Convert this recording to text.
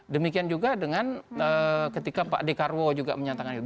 demikian juga dengan ketika pak dekarwo juga menyatakan itu